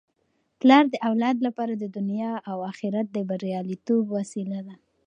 پلار د اولاد لپاره د دنیا او اخرت د بریالیتوب وسیله ده.